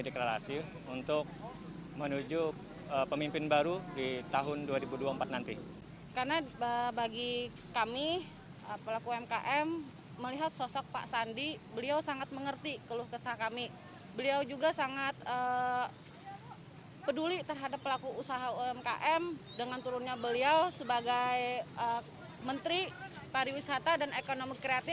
beliau juga sangat peduli terhadap pelaku usaha umkm dengan turunnya beliau sebagai menteri pariwisata dan ekonomi kreatif